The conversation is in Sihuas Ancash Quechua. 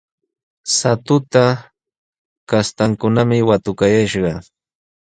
Shatuta kastankunami watukayashqa.